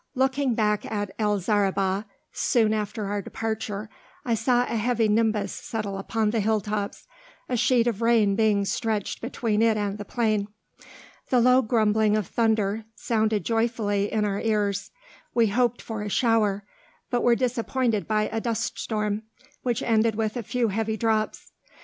Looking back at El Zaribah, soon after our departure, I saw a heavy nimbus settle upon the hilltops, a sheet of rain being stretched between it and the plain. The low grumbling of thunder sounded joyfully in our ears. We hoped for a shower, but were disappointed by a dust storm, which ended with a few heavy drops.